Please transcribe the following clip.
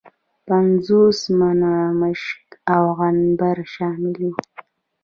پنځوس منه مشک او عنبر شامل وه.